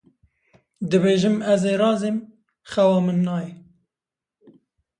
Dibêjim ez ê razêm, xewa min nayê.